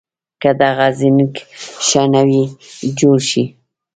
که دغه زېنک ښه نه وي جوړ شوي